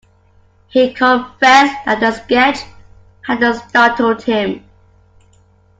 He confessed that the sketch had startled him.